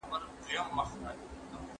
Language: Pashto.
پام کوه بې پامه سترگې مه وهه